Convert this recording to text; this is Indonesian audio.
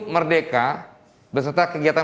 merdeka beserta kegiatan